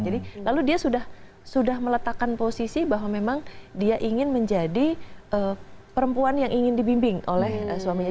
jadi lalu dia sudah meletakkan posisi bahwa memang dia ingin menjadi perempuan yang ingin dibimbing oleh suaminya